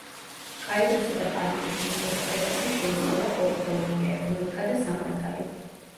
კაიროსა და პარიზის უნივერსიტეტებში შეისწავლა პოლიტოლოგია, ეკონომიკა და სამართალი.